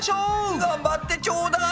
がんばってちょうだい！